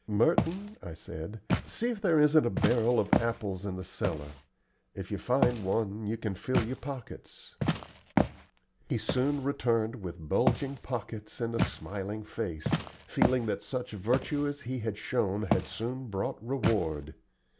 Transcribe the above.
"Merton," I said, "see if there isn't a barrel of apples in the cellar. If you find one, you can fill your pockets." He soon returned with bulging pockets and a smiling face, feeling that such virtue as he had shown had soon brought reward.